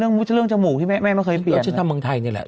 เรื่องเรื่องจมูกที่แม่แม่งเขาเคยเปลี่ยนแล้วฉันทำเมืองไทยเนี้ยแหละ